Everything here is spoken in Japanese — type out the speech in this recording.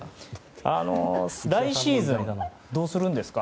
来シーズン、どうするんですか？